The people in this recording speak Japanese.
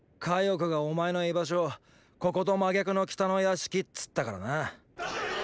億がお前の居場所をここと真逆の北の屋敷つったからな。